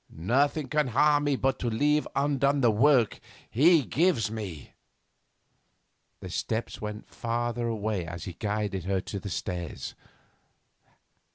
Nothing can harm me but to leave undone the work He gives me.' The steps went farther away as he guided her to the stairs.